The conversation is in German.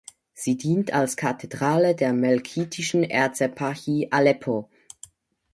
Sie dient als Kathedrale der melkitischen Erzeparchie Aleppo.